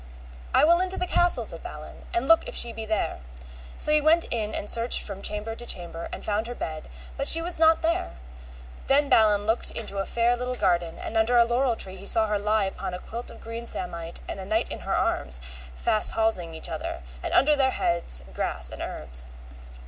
I will into the castle, said Balin, and look if she be there. So he went in and searched from chamber to chamber, and found her bed, but she was not there. Then Balin looked into a fair little garden, and under a laurel tree he saw her lie upon a quilt of green samite and a knight in her arms, fast halsing either other, and under their heads grass and herbs.